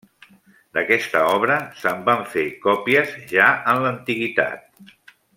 D'aquesta obra se'n van fer còpies ja en l'antiguitat.